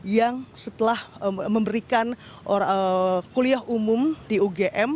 yang setelah memberikan kuliah umum di ugm